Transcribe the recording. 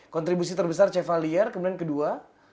kontribusi terbesar kevaliar kemudian kedua